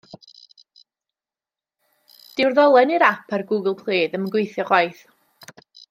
Dyw'r ddolen i'r ap ar Google Play ddim yn gweithio chwaith.